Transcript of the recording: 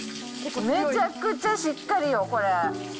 めちゃくちゃしっかりよ、これ。